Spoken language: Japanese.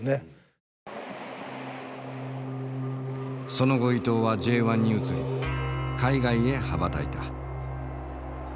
その後伊東はＪ１に移り海外へ羽ばたいた。